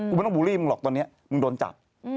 ไม่ต้องบูลลี่มึงหรอกตอนนี้มึงโดนจับ